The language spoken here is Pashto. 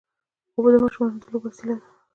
اوبه د ماشومانو د لوبو وسیله ده.